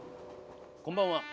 こんばんは。